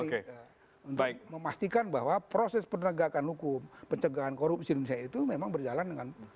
untuk memastikan bahwa proses penegakan hukum pencegahan korupsi di indonesia itu memang berjalan dengan